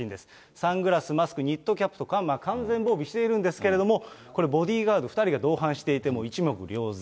サングラス、マスク、ニットキャップと完全防備しているんですけれども、これ、ボディガード２人が同伴していて、もう一目瞭然。